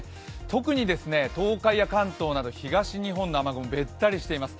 特に東海や関東など東日本の雲がべったりしています。